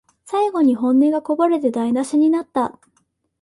最後に本音がこぼれて台なしになった